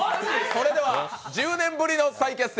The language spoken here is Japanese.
それでは１０年ぶりの再結成